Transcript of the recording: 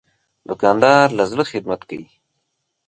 دوکاندار له زړه خدمت کوي.